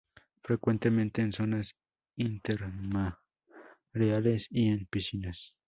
Frecuentemente en zonas intermareales y en piscinas.